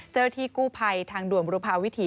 เจ้าหน้าที่กู้ภัยทางด่วนบุรพาวิถี